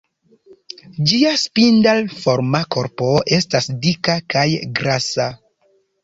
Ĝia spindel-forma korpo estas dika kaj grasa.